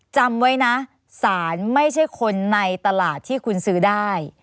จำไว้นะสารไม่ใช่คนในตลาดที่คุณซื้อได้